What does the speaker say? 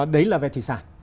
đấy là về thủy sản